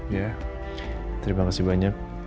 ya terima kasih banyak